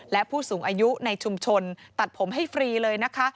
และผู้สูงอายุในชุมชนตัดผมให้ฟรีเลยนะคะ